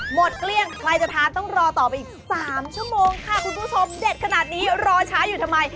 เกลี้ยงใครจะทานต้องรอต่อไปอีก๓ชั่วโมงค่ะคุณผู้ชมเด็ดขนาดนี้รอช้าอยู่ทำไม